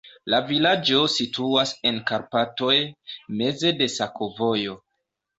La vilaĝo situas en Karpatoj, meze de sakovojo.